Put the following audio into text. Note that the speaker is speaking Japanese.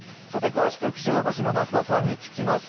詳しく気象予報士の増田さんに聞きます。